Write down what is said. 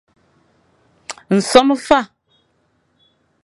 Nsome a fa.